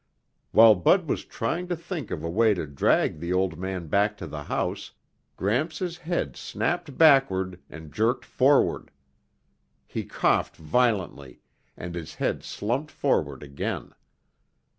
While Bud was trying to think of a way to drag the old man back to the house, Gramps' head snapped backward and jerked forward. He coughed violently and his head slumped forward again.